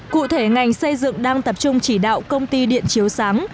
cụ thể ngành xây dựng đang tập trung chỉ đạo công ty điện chiếu sáng